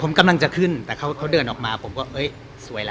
ผมกำลังจะขึ้นแต่เขาเดินออกมาผมก็เอ้ยสวยล่ะ